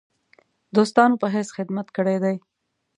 دوستانو په حیث خدمت کړی دی.